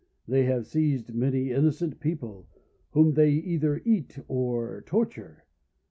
They have seized many innocent people, whom they either eat or torture.